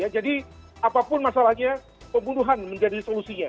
jadi apapun masalahnya pembunuhan menjadi solusinya